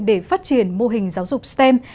để phát triển mô hình giáo dục stem